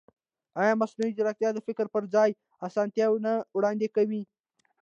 ایا مصنوعي ځیرکتیا د ژور فکر پر ځای اسانتیا نه وړاندې کوي؟